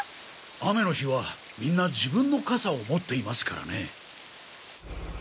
雨の日はみんな自分の傘を持っていますからね。